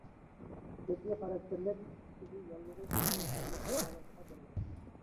جىددىي خاراكتېرلىك سۈت بېزى ياللۇغى قاتارلىقلارنى داۋالاشقا بولىدۇ.